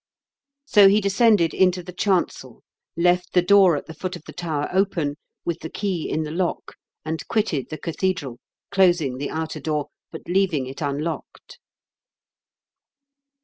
So he descended into the chancel, left the door at the foot of the tower open, with the key in the lock, and quitted the cathedral, closing the outer door, but leaving it unlocked.